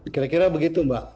kira kira begitu mbak